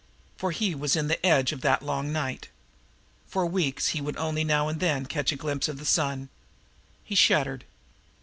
For he was in the edge of that Long Night. For weeks he would only now and then catch a glimpse of the sun. He shuddered.